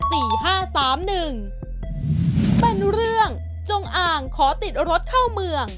เป็นเรื่องจงอ่างขอติดรถเข้าเมือง